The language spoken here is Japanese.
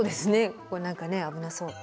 何かね危なそう。